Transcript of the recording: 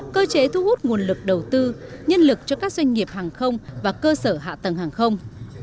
cơ chế thu hút nguồn lực đầu tư nhân lực cho các doanh nghiệp hàng không và cơ sở hạ tầng hàng không